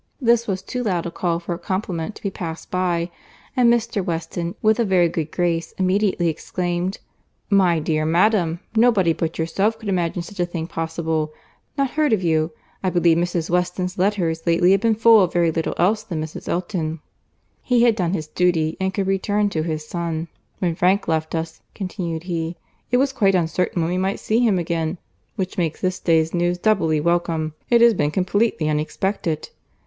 This was too loud a call for a compliment to be passed by, and Mr. Weston, with a very good grace, immediately exclaimed, "My dear madam! Nobody but yourself could imagine such a thing possible. Not heard of you!—I believe Mrs. Weston's letters lately have been full of very little else than Mrs. Elton." He had done his duty and could return to his son. "When Frank left us," continued he, "it was quite uncertain when we might see him again, which makes this day's news doubly welcome. It has been completely unexpected.